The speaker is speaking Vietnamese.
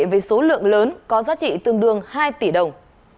với số lượng lớn có giá trị tương đương hai tỷ đồng